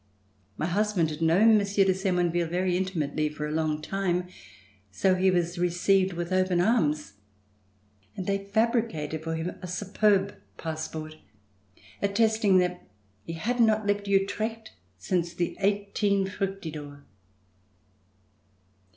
My husband had known Monsieur de Semonville very intimately for a long time, so he was received with open arms, and they fabricated for him a superb passport, attesting that he had not left Utrecht since the i8 Fructidor.